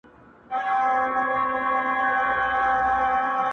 بېگانه مو په مابین کي عدالت دئ؛